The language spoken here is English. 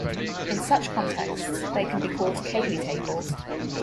In such contexts they can be called Cayley tables.